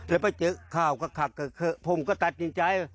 แล้วพอเจอข้าวก็ขับเกิดเกิดผมก็ตัดในใจ